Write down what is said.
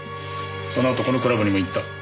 そのあとこのクラブにも行った。